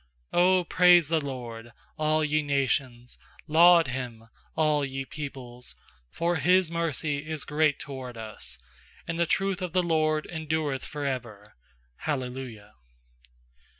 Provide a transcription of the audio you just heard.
1 1 *7 0 praise the LORD, all ye nations; Laud Him, all ye peoples. 2 For His mercy is great toward us; And the truth of the LORD en dureth for ever. Hallelujah.